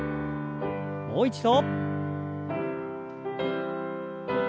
もう一度。